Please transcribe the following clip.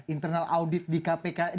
internal audit di bpk sendiri juga